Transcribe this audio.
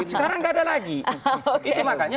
sekarang nggak ada lagi itu makanya